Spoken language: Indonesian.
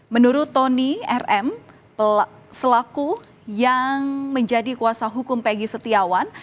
menurut tony rm selaku yang menjadi kuasa hukum peggy setiawan